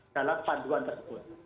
dalam panduan tersebut